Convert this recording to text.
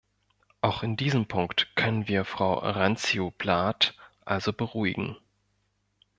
Auch in diesem Punkt können wir Frau Randzio-Plath also beruhigen.